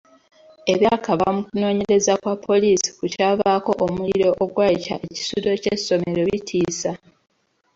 Ebyakava mu kunoonyereza kwa poliisi ku kyavaako omuliro ogwayokya ekisulo ky'essomero bitiisa.